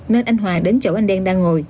nên anh hòa đến chỗ anh đen đang ngồi